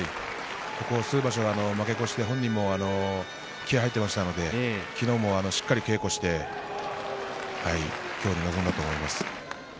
先場所負け越して本人も気合が入ってましたので昨日もしっかり稽古して今日に臨んだと思います。